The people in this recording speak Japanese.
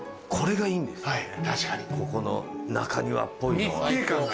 ここの中庭っぽいのが。